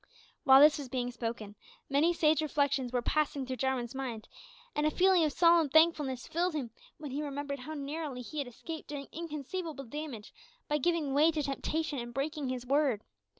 While this was being spoken, many sage reflections were passing through Jarwin's mind, and a feeling of solemn thankfulness filled him when he remembered how narrowly he had escaped doing inconceivable damage by giving way to temptation and breaking his word.